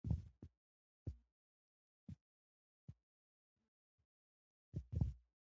ستوني غرونه د افغان ماشومانو د زده کړې موضوع ده.